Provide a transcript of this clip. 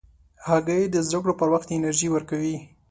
هګۍ د زده کړو پر وخت انرژي ورکوي.